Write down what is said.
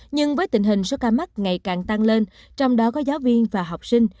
nhưng với tình hình số ca mắc ngày càng tăng lên trong đó có giáo viên và học sinh